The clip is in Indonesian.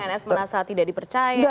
pns pns merasa tidak dipercaya